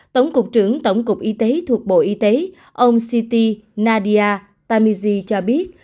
tổng cục trưởng tổng cục y tế thuộc bộ y tế ông siti nadia tamizi cho biết